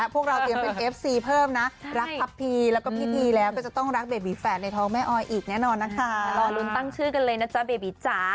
พยายามชนะสละอะไรใช้ได้ไม่ได้